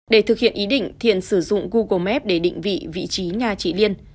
để thực hiện ý định thiện sử dụng google map để định vị vị trí nhà chị liên